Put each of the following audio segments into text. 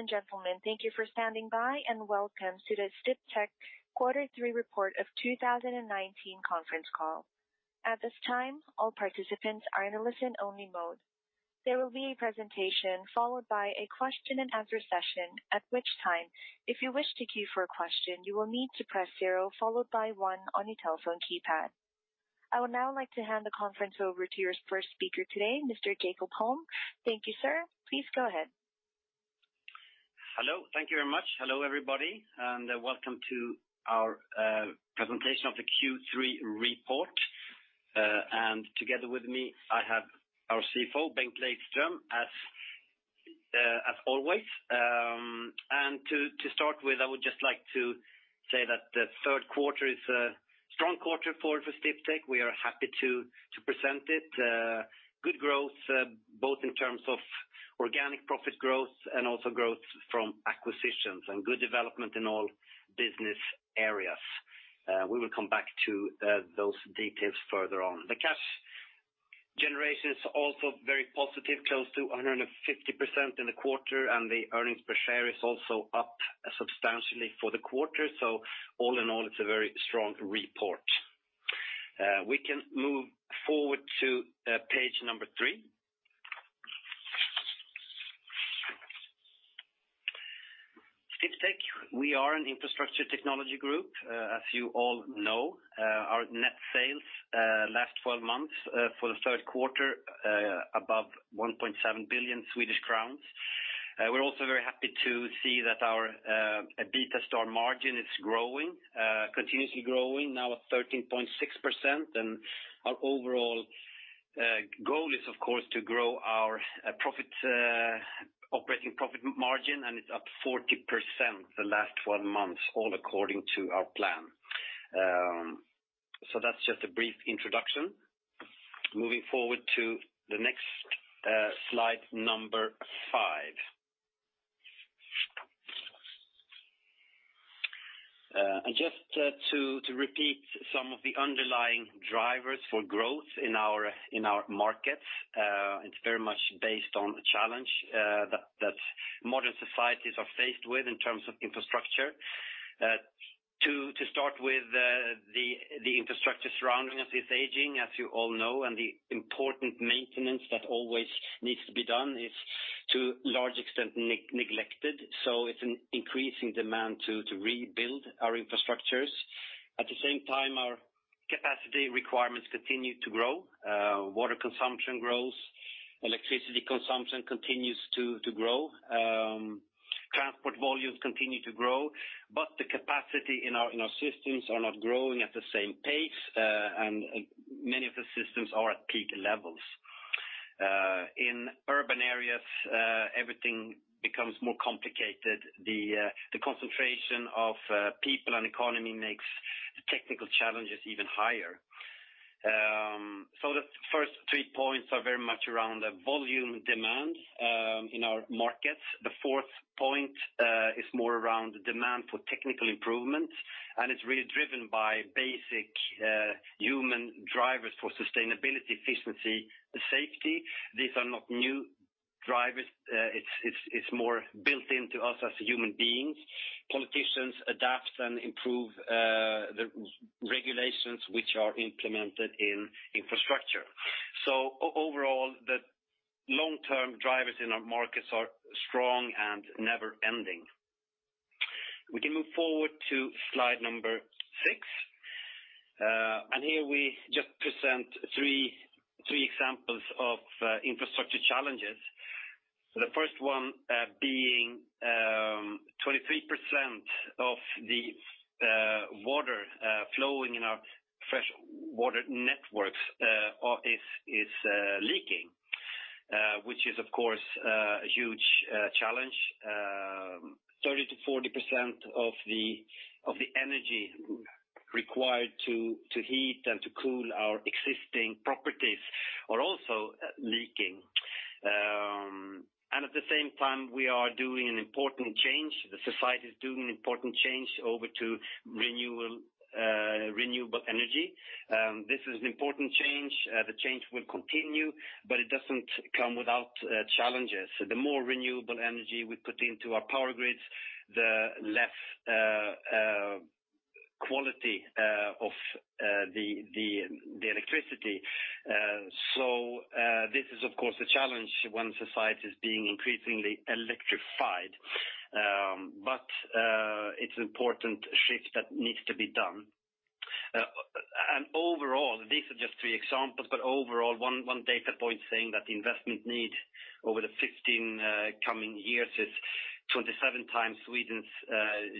Ladies and gentlemen, thank you for standing by, and welcome to the Sdiptech quarter three report of 2019 conference call. At this time, all participants are in a listen-only mode. There will be a presentation followed by a question and answer session, at which time, if you wish to queue for a question, you will need to press zero followed by one on your telephone keypad. I would now like to hand the conference over to your first speaker today, Mr. Jakob Holm. Thank you, sir. Please go ahead. Hello. Thank you very much. Hello, everybody, welcome to our presentation of the Q3 report. Together with me, I have our CFO, Bengt Lejdström, as always. To start with, I would just like to say that the third quarter is a strong quarter for Sdiptech. We are happy to present it. Good growth both in terms of organic profit growth and also growth from acquisitions, and good development in all business areas. We will come back to those details further on. The cash generation is also very positive, close to 150% in the quarter, and the earnings per share is also up substantially for the quarter. All in all, it's a very strong report. We can move forward to page number three. Sdiptech, we are an infrastructure technology group. As you all know, our net sales last 12 months for the third quarter, above 1.7 billion Swedish crowns. We're also very happy to see that our EBITDA margin is continuously growing, now at 13.6%. Our overall goal is, of course, to grow our operating profit margin, and it's up 40% the last 12 months, all according to our plan. That's just a brief introduction. Moving forward to the next slide, number five. Just to repeat some of the underlying drivers for growth in our markets, it's very much based on the challenge that modern societies are faced with in terms of infrastructure. To start with, the infrastructure surrounding us is aging, as you all know, and the important maintenance that always needs to be done is to a large extent neglected. It's an increasing demand to rebuild our infrastructures. At the same time, our capacity requirements continue to grow. Water consumption grows, electricity consumption continues to grow, transport volumes continue to grow, but the capacity in our systems are not growing at the same pace, and many of the systems are at peak levels. In urban areas, everything becomes more complicated. The concentration of people and economy makes technical challenges even higher. The first three points are very much around the volume demands in our markets. The fourth point is more around the demand for technical improvements, and it's really driven by basic human drivers for sustainability, efficiency, and safety. These are not new drivers. It's more built into us as human beings. Politicians adapt and improve the regulations which are implemented in infrastructure. Overall, the long-term drivers in our markets are strong and never-ending. We can move forward to slide number six. Here we just present three examples of infrastructure challenges. The first one being 23% of the water flowing in our fresh water networks is leaking, which is, of course, a huge challenge. 30%-40% of the energy required to heat and to cool our existing properties are also leaking. At the same time, we are doing an important change. The society is doing an important change over to renewable energy. This is an important change. The change will continue, but it doesn't come without challenges. The more renewable energy we put into our power grids, the less quality of the electricity. This is, of course, a challenge when society is being increasingly electrified, but it's an important shift that needs to be done. Overall, these are just three examples, but overall, one data point saying that the investment need over the 15 coming years is 27 times Sweden's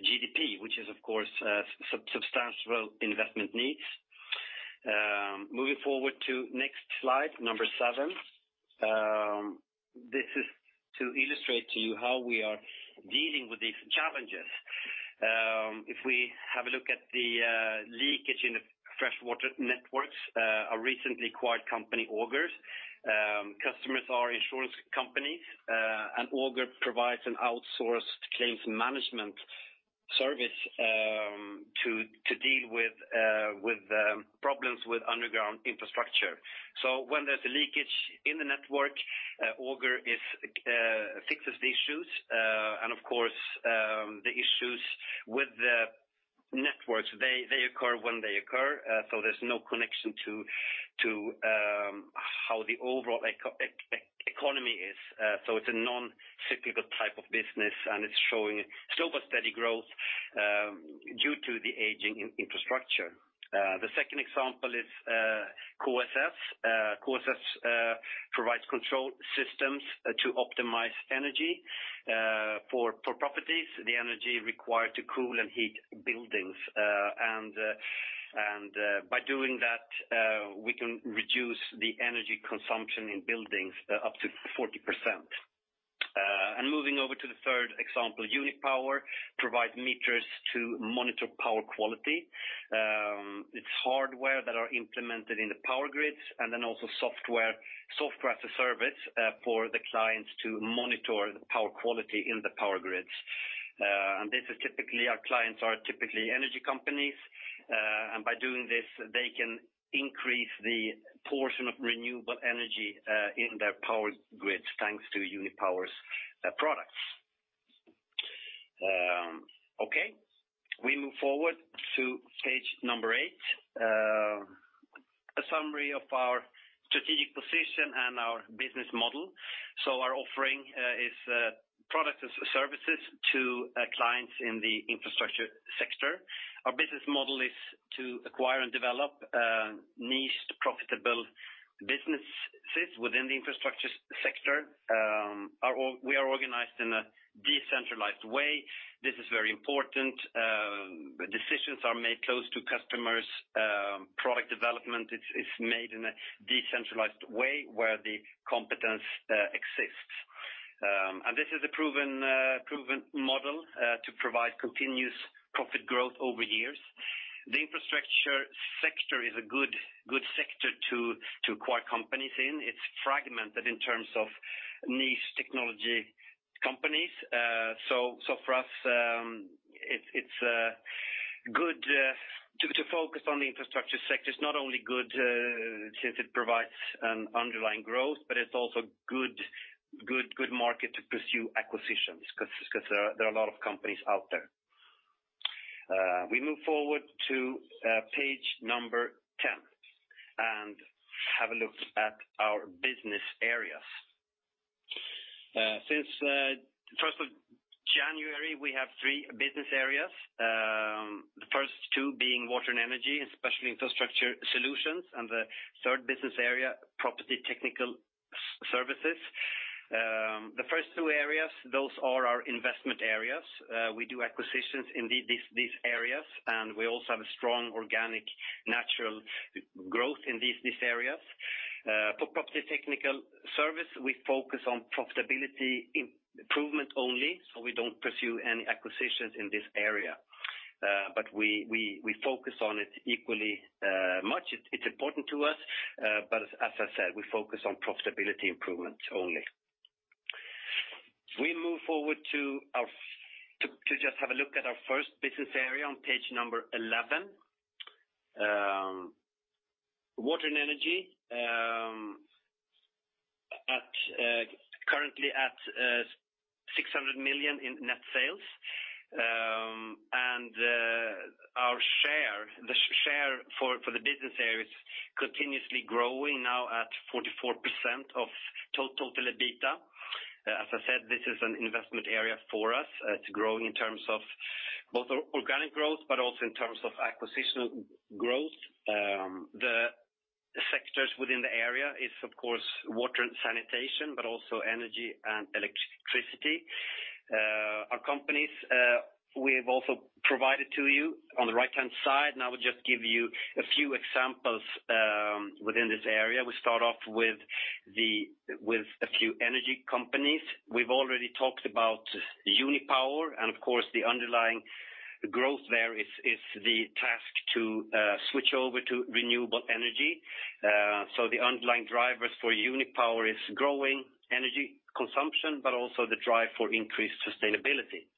GDP, which is, of course, substantial investment needs. Moving forward to next slide, number seven. This is to illustrate to you how we are dealing with these challenges. If we have a look at the leakage in the freshwater networks, our recently acquired company, Auger. Customers are insurance companies, and Auger provides an outsourced claims management service to deal with problems with underground infrastructure. When there's a leakage in the network, Auger fixes the issues. Of course, the issues with the networks, they occur when they occur. There's no connection to how the overall economy is. It's a non-cyclical type of business, and it's showing slow but steady growth due to the aging infrastructure. The second example is CoSS. CoSS provides control systems to optimize energy for properties, the energy required to cool and heat buildings. By doing that, we can reduce the energy consumption in buildings up to 40%. Moving over to the third example, Unipower provides meters to monitor power quality. It's hardware that are implemented in the power grids, and then also Software as a Service for the clients to monitor the power quality in the power grids. Our clients are typically energy companies, and by doing this, they can increase the portion of renewable energy in their power grids, thanks to Unipower's products. Okay, we move forward to page number eight. A summary of our strategic position and our business model. Our offering is products as services to clients in the infrastructure sector. Our business model is to acquire and develop niched profitable businesses within the infrastructure sector. We are organized in a decentralized way. This is very important. Decisions are made close to customers. Product development is made in a decentralized way where the competence exists. This is a proven model to provide continuous profit growth over years. The infrastructure sector is a good sector to acquire companies in. It's fragmented in terms of niche technology companies. For us, it's good to focus on the infrastructure sector. It's not only good since it provides an underlying growth, but it's also good market to pursue acquisitions, because there are a lot of companies out there. We move forward to page number 10 and have a look at our business areas. Since 1st of January, we have three business areas, the first two being water and energy, and special infrastructure solutions, and the third business area, property technical services. The first two areas, those are our investment areas. We do acquisitions in these areas, and we also have a strong organic natural growth in these areas. For property technical service, we focus on profitability improvement only, so we don't pursue any acquisitions in this area. We focus on it equally much. It's important to us, but as I said, we focus on profitability improvement only. We move forward to just have a look at our first business area on page number 11. Water and energy, currently at 600 million in net sales. Our share, the share for the business area is continuously growing, now at 44% of total EBITDA. As I said, this is an investment area for us. It's growing in terms of both organic growth, but also in terms of acquisitional growth. The sectors within the area is, of course, water and sanitation, but also energy and electricity. Our companies, we have also provided to you on the right-hand side, and I will just give you a few examples within this area. We start off with a few energy companies. We've already talked about Unipower, and of course, the underlying growth there is the task to switch over to renewable energy. The underlying drivers for Unipower is growing energy consumption, but also the drive for increased sustainability.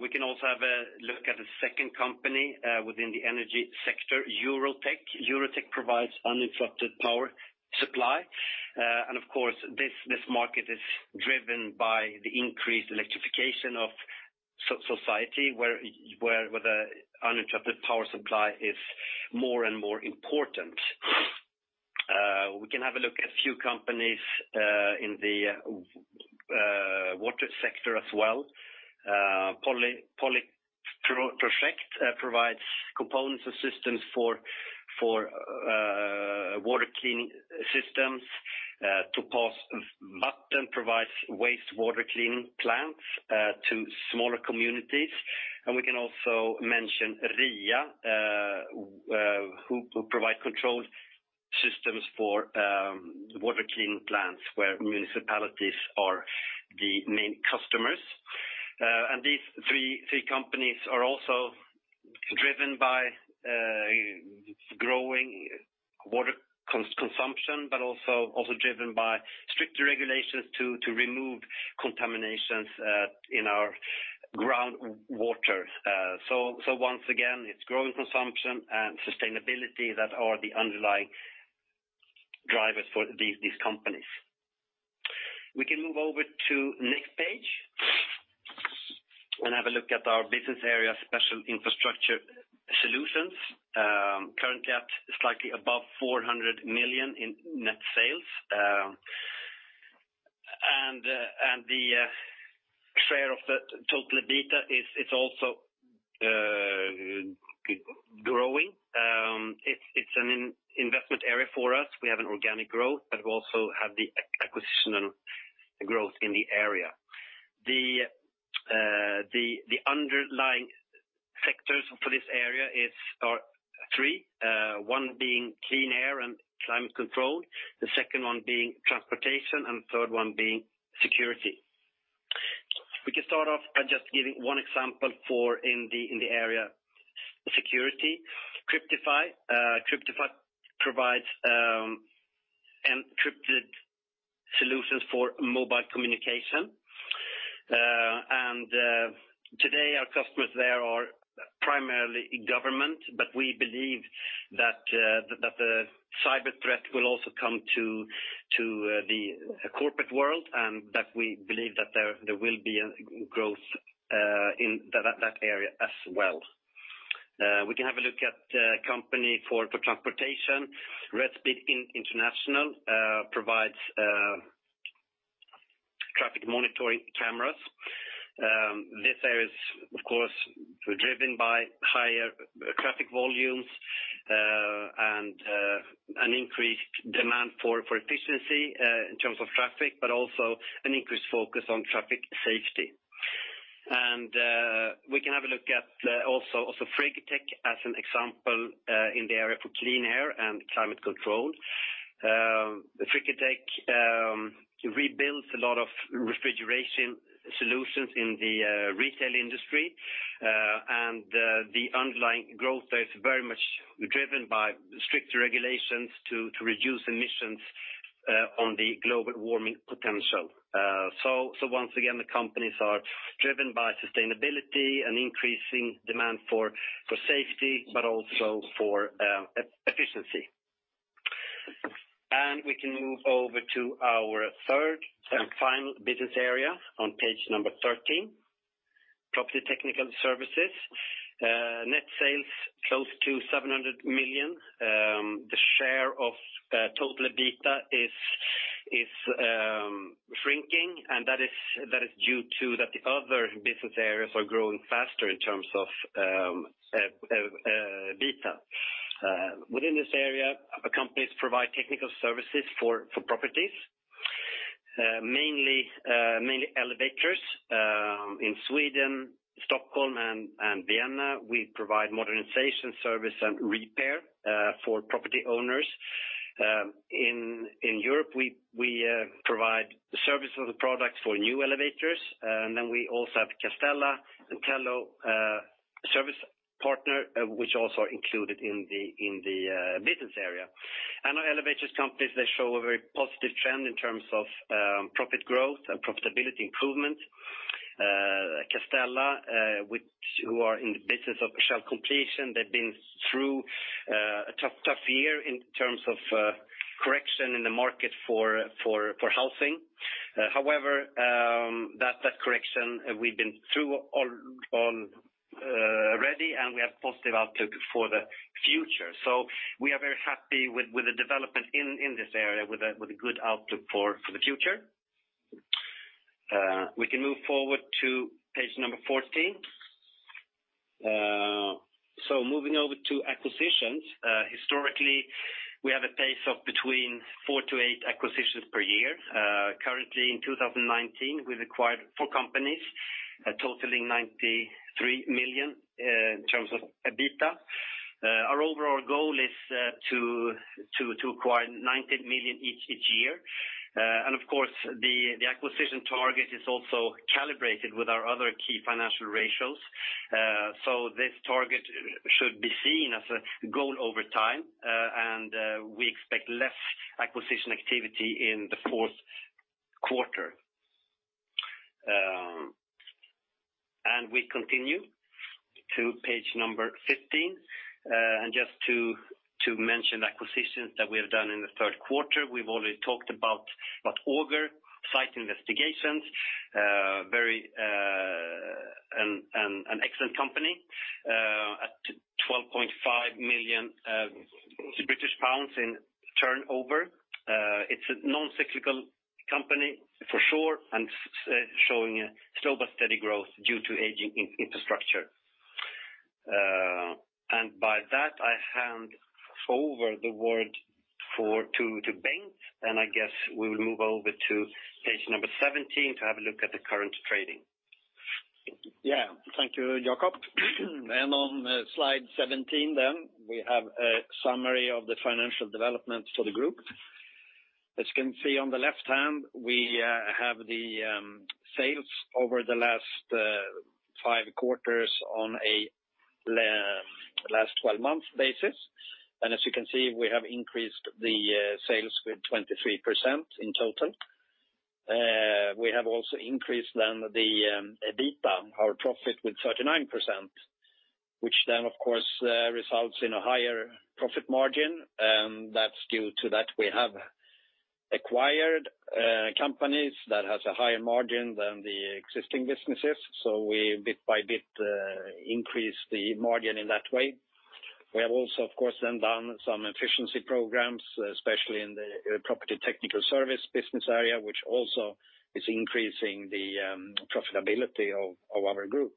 We can also have a look at a second company within the energy sector, Eurotech. Eurotech provides uninterrupted power supply. Of course, this market is driven by the increased electrification of society, where the uninterrupted power supply is more and more important. We can have a look at a few companies in the water sector as well. Polyproject provides components and systems for water cleaning systems. Topas Vatten provides wastewater cleaning plants to smaller communities. We can also mention RIA, who provide control systems for water cleaning plants where municipalities are the main customers. These three companies are also driven by growing water consumption, but also driven by stricter regulations to remove contaminations in our groundwater. Once again, it's growing consumption and sustainability that are the underlying drivers for these companies. We can move over to next page, have a look at our business area, Special Infrastructure Solutions. Currently at slightly above 400 million in net sales. The share of the total EBITDA is also growing. It's an investment area for us. We have an organic growth, we also have the acquisition and growth in the area. The underlying sectors for this area are three. One being clean air and climate control, the second one being transportation, and third one being security. We can start off by just giving one example in the area security, Cryptify. Cryptify provides encrypted solutions for mobile communication. Today our customers there are primarily government, but we believe that the cyber threat will also come to the corporate world, and that we believe that there will be growth in that area as well. We can have a look at company for transportation. RedSpeed International provides traffic monitoring cameras. This area is, of course, driven by higher traffic volumes, and an increased demand for efficiency in terms of traffic, but also an increased focus on traffic safety. We can have a look at also Frigotech as an example, in the area for clean air and climate control. Frigotech rebuilds a lot of refrigeration solutions in the retail industry. The underlying growth there is very much driven by stricter regulations to reduce emissions on the global warming potential. Once again, the companies are driven by sustainability and increasing demand for safety, but also for efficiency. We can move over to our third and final business area on page number 13, Property Technical Services. Net sales close to 700 million. The share of total EBITDA is shrinking, and that is due to that the other business areas are growing faster in terms of EBITDA. Within this area, our companies provide technical services for properties, mainly elevators. In Sweden, Stockholm, and Vienna, we provide modernization service and repair for property owners. In Europe, we provide the service of the product for new elevators. We also have Castella and Tello Service Partner, which also are included in the Business Area. Our elevators companies, they show a very positive trend in terms of profit growth and profitability improvement. Castella Entreprenad who are in the business of shell completion, they've been through a tough year in terms of correction in the market for housing. However, that correction we've been through already, and we have positive outlook for the future. We are very happy with the development in this area with a good outlook for the future. We can move forward to page 14. Moving over to acquisitions. Historically, we have a pace of between four to eight acquisitions per year. Currently in 2019, we've acquired four companies, totaling 93 million in terms of EBITDA. Our overall goal is to acquire 90 million each year. Of course, the acquisition target is also calibrated with our other key financial ratios. This target should be seen as a goal over time. We expect less acquisition activity in the fourth quarter. We continue to page number 15. Just to mention acquisitions that we have done in the third quarter, we've already talked about Auger Site Investigations. An excellent company at 12.5 million British pounds in turnover. It's a non-cyclical company for sure and showing a slow but steady growth due to aging infrastructure. By that, I hand over the word to Bengt, and I guess we will move over to page number 17 to have a look at the current trading. Yeah. Thank you, Jakob. On slide 17, we have a summary of the financial development for the group. As you can see on the left hand, we have the sales over the last five quarters on a last 12 months basis. As you can see, we have increased the sales with 23% in total. We have also increased the EBITDA, our profit with 39%, which, of course, results in a higher profit margin, that's due to that we have acquired companies that has a higher margin than the existing businesses. We bit by bit increase the margin in that way. We have also, of course, done some efficiency programs, especially in the property technical service business area, which also is increasing the profitability of our group.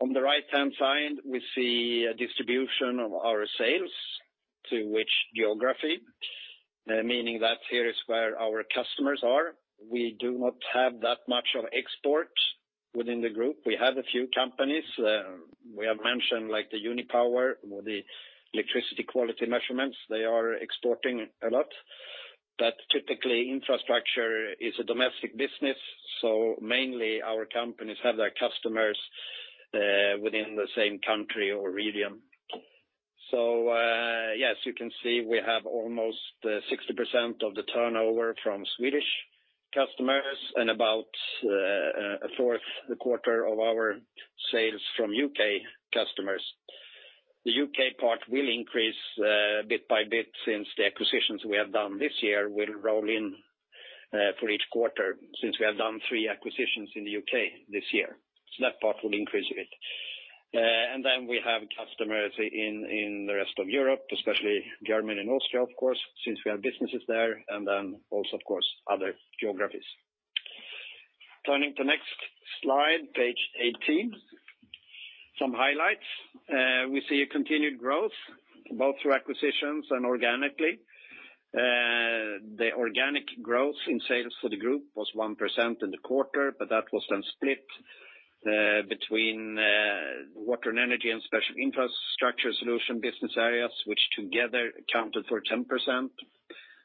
On the right-hand side, we see a distribution of our sales to which geography, meaning that here is where our customers are. We do not have that much of export within the group. We have a few companies. We have mentioned, like the Unipower, the electricity quality measurements, they are exporting a lot, but typically infrastructure is a domestic business, so mainly our companies have their customers within the same country or region. Yes, you can see we have almost 60% of the turnover from Swedish customers and about a fourth quarter of our sales from U.K. customers. The U.K. part will increase bit by bit since the acquisitions we have done this year will roll in for each quarter, since we have done three acquisitions in the U.K. this year. That part will increase a bit. Then we have customers in the rest of Europe, especially Germany and Austria, of course, since we have businesses there and then also, of course, other geographies. Turning to next slide, page 18. Some highlights. We see a continued growth both through acquisitions and organically. The organic growth in sales for the group was 1% in the quarter, but that was then split between water and energy and special infrastructure solution business areas, which together accounted for 10%.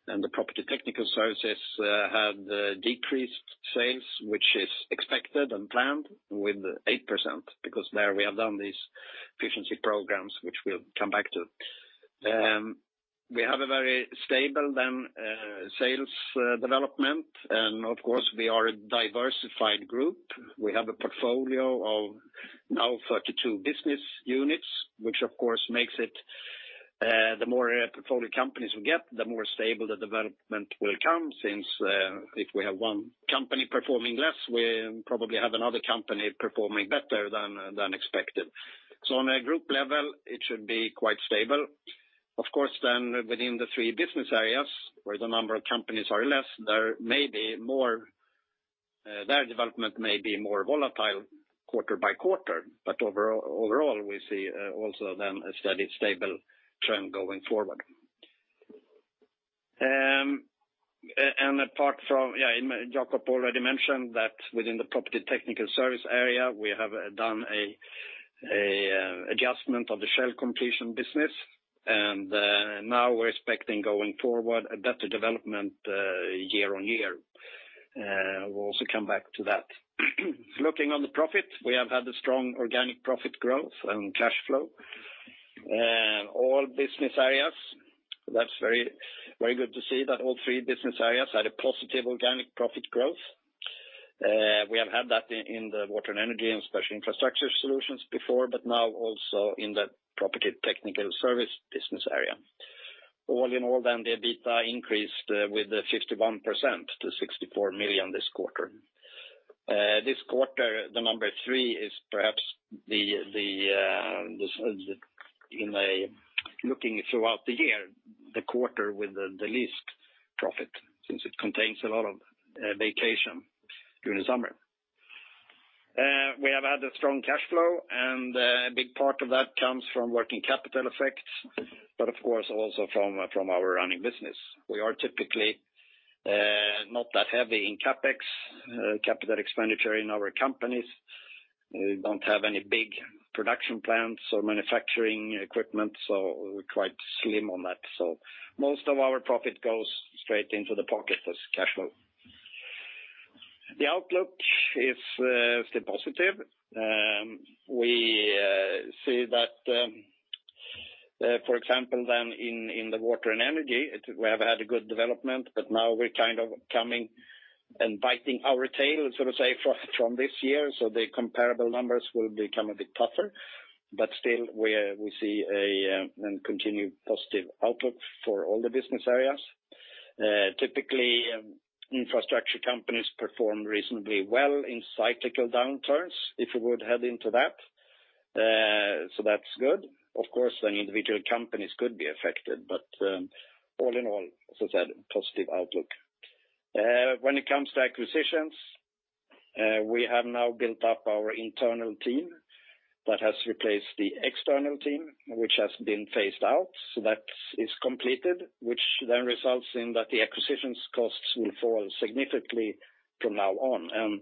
The property technical services had decreased sales, which is expected and planned with 8%, because there we have done these efficiency programs, which we'll come back to. We have a very stable then sales development, and of course we are a diversified group. We have a portfolio of now 32 business units, which of course makes it the more portfolio companies we get, the more stable the development will come, since if we have one company performing less, we probably have another company performing better than expected. On a group level, it should be quite stable. Of course within the three business areas where the number of companies are less, their development may be more volatile quarter by quarter, overall, we see also then a steady stable trend going forward. Apart from, yeah, Jakob already mentioned that within the property technical service area, we have done an adjustment of the shell completion business, now we're expecting going forward a better development year-on-year. We'll also come back to that. Looking on the profit, we have had a strong organic profit growth and cash flow. All business areas, that's very good to see that all three business areas had a positive organic profit growth. We have had that in the water and energy and special infrastructure solutions before. Now also in the property technical service business area. All in all, the EBITDA increased with 51% to 64 million this quarter. This quarter, the number three is perhaps looking throughout the year, the quarter with the least profit, since it contains a lot of vacation during the summer. We have had a strong cash flow, and a big part of that comes from working capital effects, but of course also from our running business. We are typically not that heavy in CapEx, capital expenditure in our companies. We don't have any big production plants or manufacturing equipment. We're quite slim on that. Most of our profit goes straight into the pocket as cash flow. The outlook is still positive. We see that, for example, then in the water and energy, we have had a good development, but now we're kind of coming and biting our tail, so to say, from this year, so the comparable numbers will become a bit tougher, but still we see a continued positive outlook for all the business areas. Typically, infrastructure companies perform reasonably well in cyclical downturns, if we would head into that. That's good. Of course, then individual companies could be affected, but all in all, as I said, positive outlook. When it comes to acquisitions, we have now built up our internal team that has replaced the external team, which has been phased out. That is completed, which then results in that the acquisitions costs will fall significantly from now on.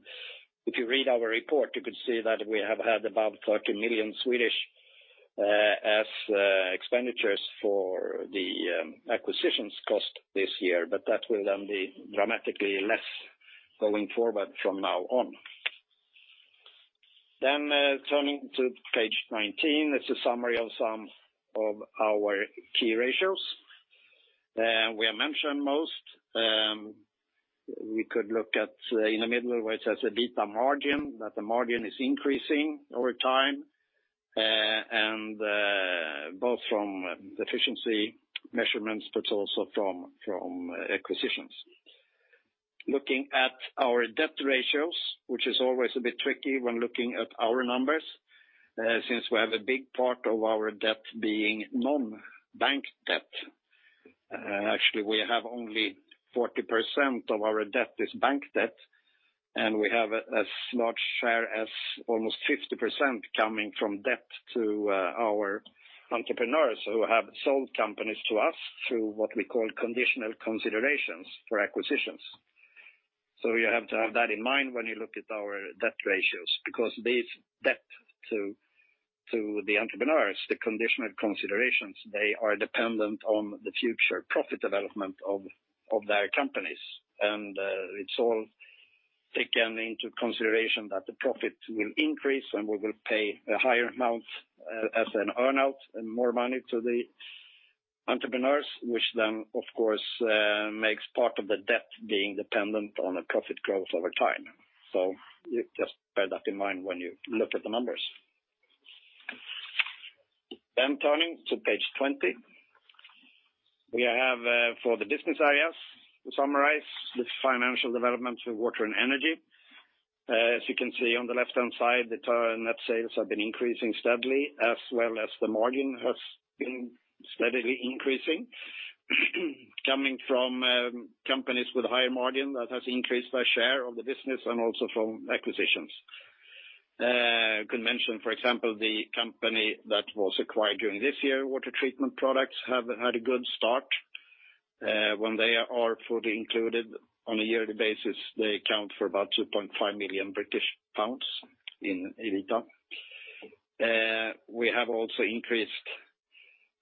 If you read our report, you could see that we have had about SEK 30 million expenditures for the acquisition costs this year, that will be dramatically less going forward from now on. Turning to page 19, it's a summary of some of our key ratios. We have mentioned most. We could look at in the middle where it says EBITDA margin, that the margin is increasing over time, both from efficiency measurements, also from acquisitions. Looking at our debt ratios, which is always a bit tricky when looking at our numbers, since we have a big part of our debt being non-bank debt. Actually, we have only 40% of our debt is bank debt, we have as large share as almost 50% coming from debt to our entrepreneurs who have sold companies to us through what we call contingent considerations for acquisitions. You have to have that in mind when you look at our debt ratios, because this debt to the entrepreneurs, the contingent considerations, they are dependent on the future profit development of their companies. It's all taken into consideration that the profit will increase, and we will pay a higher amount as an earn-out and more money to the entrepreneurs, which then of course, makes part of the debt being dependent on a profit growth over time. Just bear that in mind when you look at the numbers. Turning to page 20. We have for the business areas, to summarize the financial development of water and energy. As you can see on the left-hand side, the net sales have been increasing steadily, as well as the margin has been steadily increasing. Coming from companies with higher margin that has increased by share of the business and also from acquisitions. You can mention, for example, the company that was acquired during this year, Water Treatment Products have had a good start. When they are fully included on a yearly basis, they account for about 2.5 million British pounds in EBITDA. We have also increased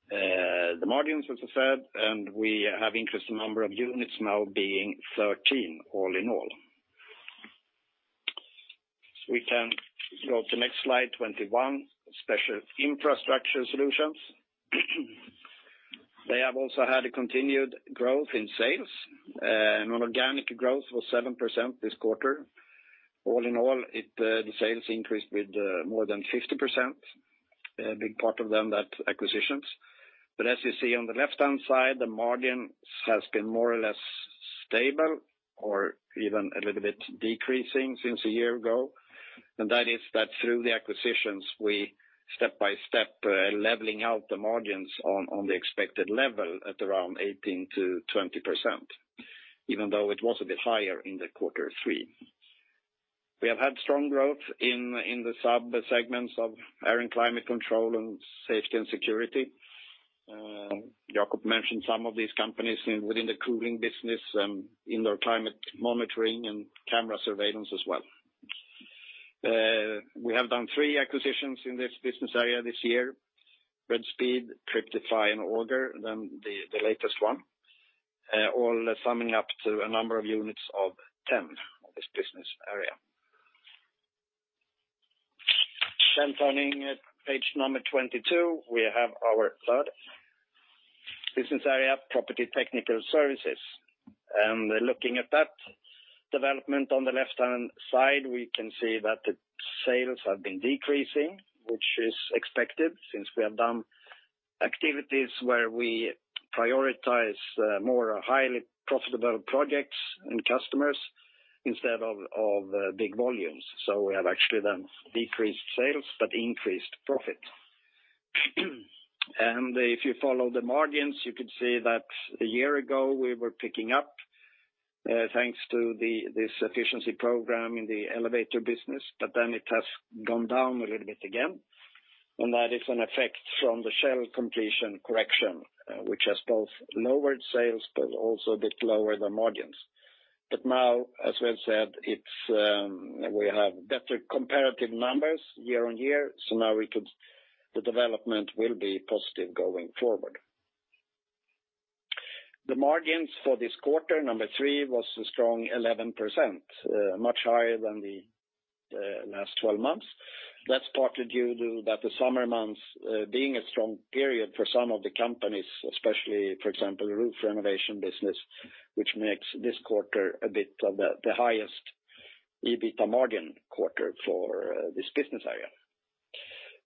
the margins, as I said, and we have increased the number of units now being 13 all in all. We can go to the next slide 21, Special Infrastructure Solutions. They have also had a continued growth in sales, and organic growth was 7% this quarter. All in all, the sales increased with more than 50%, a big part of them that acquisitions. As you see on the left-hand side, the margin has been more or less stable or even a little bit decreasing since a year ago. That is that through the acquisitions, we step-by-step leveling out the margins on the expected level at around 18% to 20%, even though it was a bit higher in the Q3. We have had strong growth in the sub-segments of air and climate control and safety and security. Jakob mentioned some of these companies within the cooling business, in their climate monitoring and camera surveillance as well. We have done three acquisitions in this business area this year, RedSpeed, Cryptify, and Auger, then the latest one, all summing up to a number of units of 10 of this business area. Turning at page number 22, we have our third business area, property technical services. Looking at that development on the left-hand side, we can see that the sales have been decreasing, which is expected since we have done activities where we prioritize more highly profitable projects and customers instead of big volumes. We have actually then decreased sales but increased profit. If you follow the margins, you could see that a year ago, we were picking up thanks to this efficiency program in the elevator business, but then it has gone down a little bit again. That is an effect from the shell completion correction, which has both lowered sales, but also a bit lower the margins. Now, as we've said, we have better comparative numbers year on year. Now the development will be positive going forward. The margins for this quarter, number three, was a strong 11%, much higher than the last 12 months. That's partly due to that the summer months being a strong period for some of the companies, especially, for example, roof renovation business, which makes this quarter a bit of the highest EBITDA margin quarter for this business area.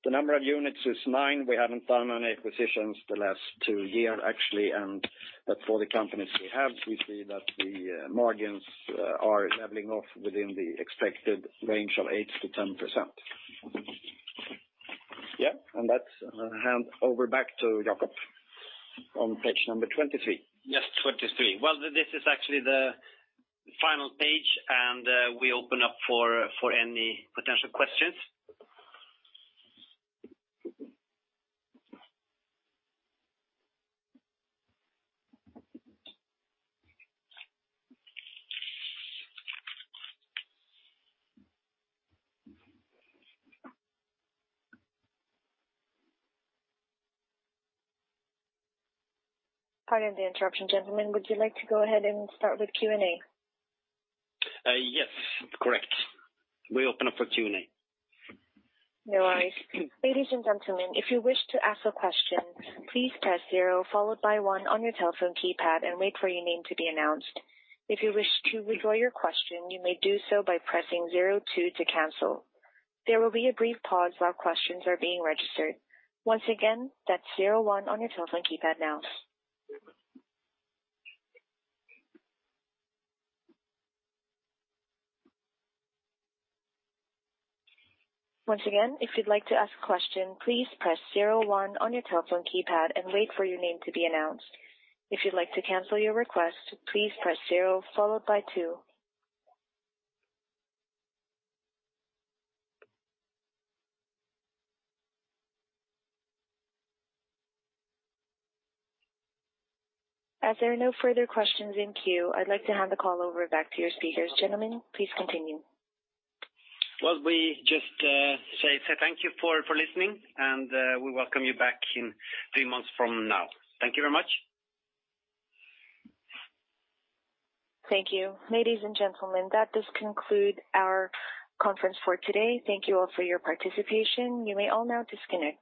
The number of units is nine. We haven't done any acquisitions the last two year, actually, and but for the companies we have, we see that the margins are leveling off within the expected range of 8%-10%. Yeah, let's hand over back to Jakob on page number 23. Yes, 23. Well, this is actually the final page, and we open up for any potential questions. Pardon the interruption, gentlemen. Would you like to go ahead and start with Q&A? Yes, correct. We open up for Q&A. No worries. Ladies and gentlemen, if you wish to ask a question, please press zero followed by one on your telephone keypad and wait for your name to be announced. If you wish to withdraw your question, you may do so by pressing zero two to cancel. There will be a brief pause while questions are being registered. Once again, that's zero one on your telephone keypad now. Once again, if you'd like to ask a question, please press zero one on your telephone keypad and wait for your name to be announced. If you'd like to cancel your request, please press zero followed by two. As there are no further questions in queue, I'd like to hand the call over back to your speakers. Gentlemen, please continue. Well, we just say thank you for listening. We welcome you back in three months from now. Thank you very much. Thank you. Ladies and gentlemen, that does conclude our conference for today. Thank you all for your participation. You may all now disconnect.